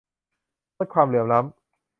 ลดความเหลื่อมล้ำ